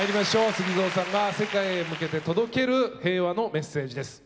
ＳＵＧＩＺＯさんが世界へ向けて届ける平和のメッセージです。